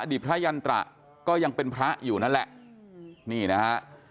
พระยันตระก็ยังเป็นพระอยู่นั่นแหละนี่นะฮะ